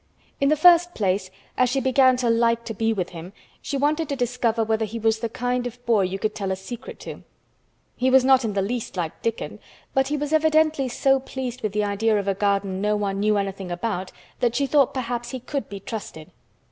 In the first place, as she began to like to be with him, she wanted to discover whether he was the kind of boy you could tell a secret to. He was not in the least like Dickon, but he was evidently so pleased with the idea of a garden no one knew anything about that she thought perhaps he could be trusted.